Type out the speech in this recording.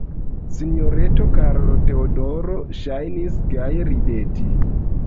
Sinjoreto Karlo-Teodoro ŝajnis gaje rideti.